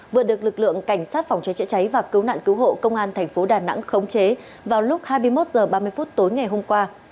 vừa được lực lượng cảnh sát phòng chế chữa cháy và cứu nạn cứu hộ công an tp đà nẵng khống chế vào lúc hai mươi một h ba mươi tối ngày hôm qua